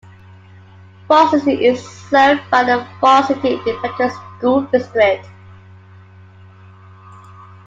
Falls City is served by the Falls City Independent School District.